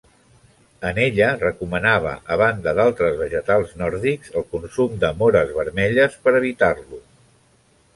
En ella recomanava, a banda d'altres vegetals nòrdics, el consum de móres vermelles per evitar-lo.